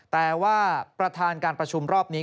แต่ว่าประธานการประชุมรอบนี้